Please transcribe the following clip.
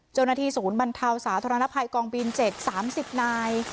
เจ้าหน้าที่ศูนย์บรรเทาสาธารณภัยกองบิน๗๓๐นาย